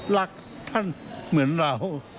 รักท่านเหมือนเรา